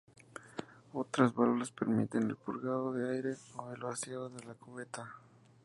Otras válvulas permiten el purgado de aire o el vaciado de la cubeta.